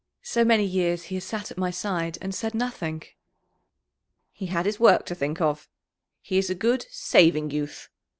So many years he has sat at my side and said nothing." "He had his work to think of; he is a good, saving youth."